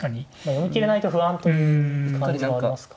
読み切れないと不安という感じもありますか。